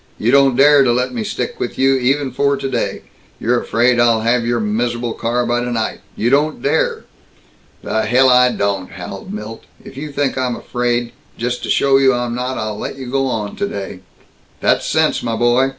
You don't dare to let me stick with you, even for today! You're afraid I'd have your mis'able car by tonight! You don't dare!" "The hell I don't!" howled Milt. "If you think I'm afraid Just to show you I'm not, I'll let you go on today!" "That's sense, my boy.